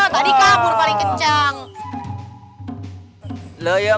tadi kabur paling kencang